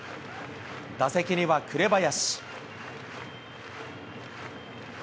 打席には紅林。